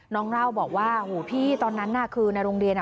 น้องเล่าบอกว่าพี่ตอนนั้นน่ะคือในโรงเรียน